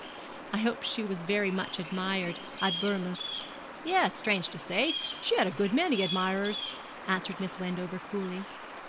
'I hope she was very much admired at Bournemouth.' 'Yes, strange to say, she had a good many admirers,' answered Miss Wendover coolly.